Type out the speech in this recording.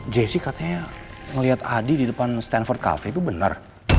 jesse katanya ngeliat adi di depan stanford cafe itu bener